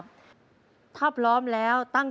ชอบร้องเพลงเหรอลูกค่ะ